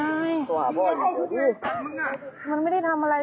มึงยังไม่ได้ทำอะไรเลยอะ